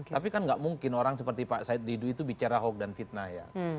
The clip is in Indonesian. tapi kan nggak mungkin orang seperti pak said didu itu bicara hoax dan fitnah ya